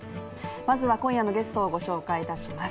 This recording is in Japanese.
まずは今夜のゲストをご紹介いたします。